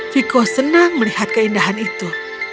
viko senang melihat keindahan itu